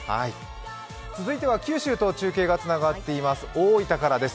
続いては九州と中継がつながっています、大分からです。